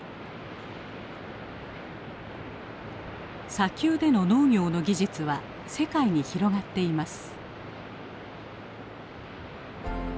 砂丘での農業の技術は世界に広がっています。